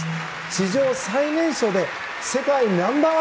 史上最年少で世界ナンバー１。